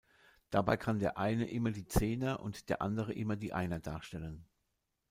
Dabei kann der eine immer die Zehner und der andere immer die Einer darstellen.